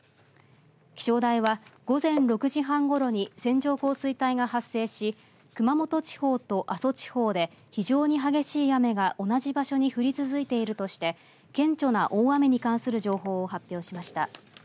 気象台は午前６時半ごろに線状降水帯が発生し熊本地方と阿蘇地方で非常に激しい雨が同じ場所に降り続いているとして顕著な大雨に関する情報を発表しました。